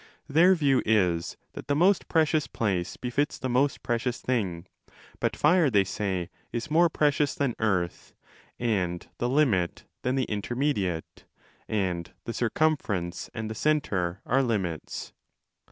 Their view is that the most precious place befits the most precious thing: but fire, they say, is more precious than earth, and the limit than the intermediate, and the circumference and the centre are limits.